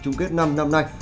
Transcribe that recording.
chung kết năm năm nay